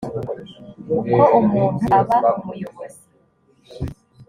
uko umuntu aba umuyobozi